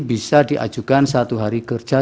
bisa diajukan satu hari kerja